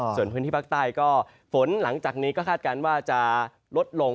ส่วนพื้นที่ภาคใต้ก็ฝนหลังจากนี้ก็คาดการณ์ว่าจะลดลง